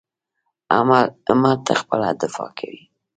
همت خپله دفاع کوي.